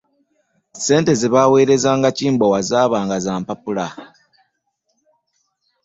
Sente ze baaweerezanga Kimbowa zaabanga za mpapula.